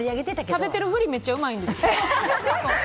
食べてるふりめっちゃうまいんです。